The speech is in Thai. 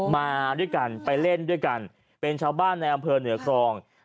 มาด้วยกันไปเล่นด้วยกันเป็นชาวบ้านในอำเภอเหนือครอง